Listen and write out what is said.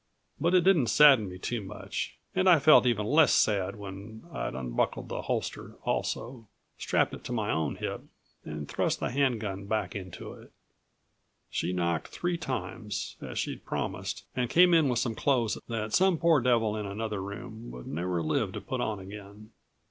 But it didn't sadden me too much and I felt even less sad when I'd unbuckled the holster also, strapped it to my own hip and thrust the hand gun back into it. She knocked three times, as she'd promised and came in with some clothes that some poor devil in another room would never live to put on again.